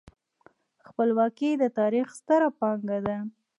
خپلواکي د تاریخ ستره پانګه ده.